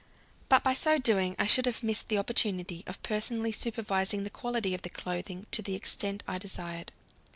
But by so doing I should have missed the opportunity of personally supervising the quality of the clothing to the extent I desired.